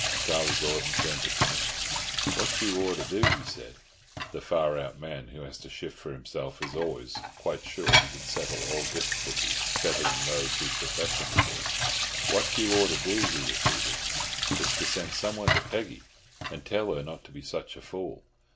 Charlie Gordon turned to Pinnock. "What you ought to do," he said (the far out man who has to shift for himself is always quite sure he can settle all difficulties better than those whose profession it is), "what you ought to do," he repeated, "is to send someone to Peggy and tell her not to be such a fool.